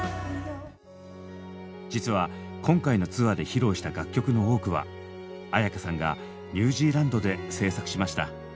実は今回のツアーで披露した楽曲の多くは絢香さんがニュージーランドで制作しました。